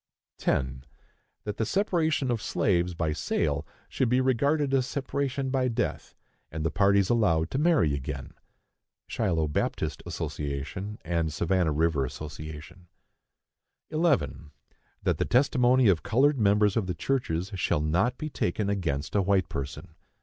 10. That the separation of slaves by sale should be regarded as separation by death, and the parties allowed to marry again. (Shiloh Baptist Ass., and Savannah River Ass.) 11. That the testimony of colored members of the churches shall not be taken against a white person.